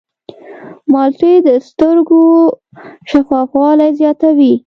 مالټې د سترګو شفافوالی زیاتوي.